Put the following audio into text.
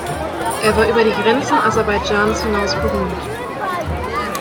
Er war über die Grenzen Aserbaidschans hinaus berühmt.